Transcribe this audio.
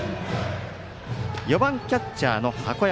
４番キャッチャーの箱山。